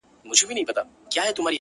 • ستا پسرلي ته به شعرونه جوړ کړم,